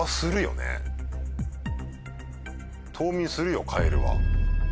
冬眠するよカエルは。